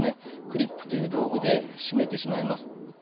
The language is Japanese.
クリップという道具で締めてしまいます。